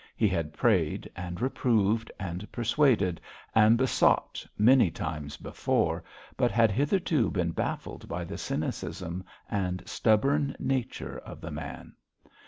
He had prayed, and reproved, and persuaded, and besought, many times before; but had hitherto been baffled by the cynicism and stubborn nature of the man.